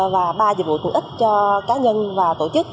và ba dịch vụ tiện ích cho cá nhân và tổ chức